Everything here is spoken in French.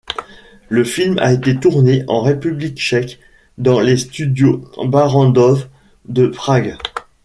Le film a été tourné en République tchèque, dans les studios Barrandov de Prague.